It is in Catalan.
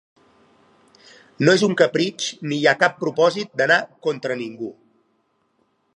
No és un capritx ni hi ha cap propòsit d’anar contra ningú.